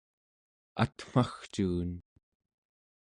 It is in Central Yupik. atmagcuun